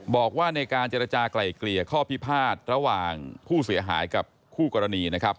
บอกว่าในการเจรจากลายเกลี่ยข้อพิพาทระหว่างผู้เสียหายกับคู่กรณีนะครับ